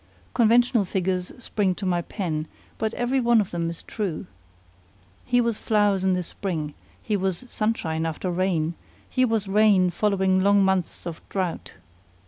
Conventional figures spring to my pen, but every one of them is true; he was flowers in spring, he was sunshine after rain, he was rain following long months of drought.